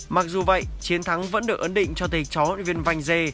mặc dù vậy chiến thắng vẫn được ấn định cho thầy chó viên vanh dê